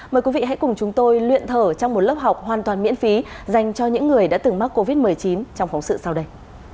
mời quý vị hãy cùng chúng tôi luyện thở trong một lớp học hoàn toàn miễn phí dành cho những người đã từng mắc covid một mươi chín trong phóng sự sau đây